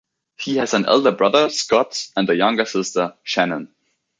He has an elder brother, Scott, and a younger sister, Shannon.